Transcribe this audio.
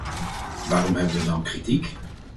Waarom hebben we dan kritiek?